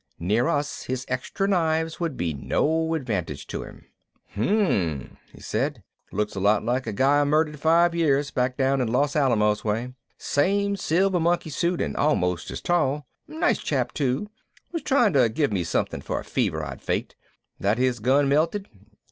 Near us, his extra knives would be no advantage to him. "Hum," he said, "looks a lot like a guy I murdered five years back down Los Alamos way. Same silver monkey suit and almost as tall. Nice chap too was trying to give me something for a fever I'd faked. That his gun melted?